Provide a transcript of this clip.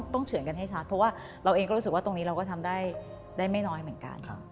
เฉินกันให้ชัดเพราะว่าเราเองก็รู้สึกว่าตรงนี้เราก็ทำได้ไม่น้อยเหมือนกัน